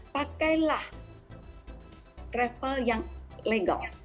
pakailah travel yang legal